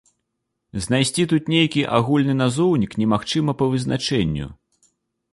Знайсці тут нейкі агульны назоўнік немагчыма па вызначэнню.